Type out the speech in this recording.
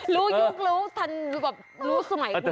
รู้ยุครู้สมัยคุณเลย